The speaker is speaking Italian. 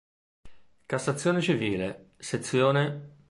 Cassazione civile, sez.